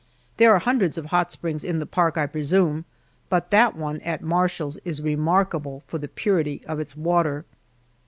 There are hundreds of hot springs in the park, I presume, but that one at Marshall's is remarkable for the purity of its water.